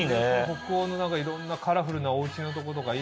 北欧のいろんなカラフルなお家のとことかいいな！